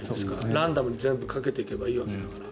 ランダムに全部かけていけばいいわけだから。